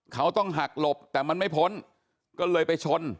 เขาต้องหักหลบแต่มันไม่พ้นก็เลยไปชน